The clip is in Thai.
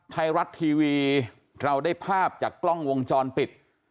ไทยรัฐทีวีเราได้ภาพจากกล้องวงจรปิด